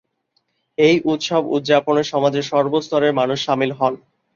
এই উৎসব উদযাপনে সমাজের সর্বস্তরের মানুষ সামিল হন।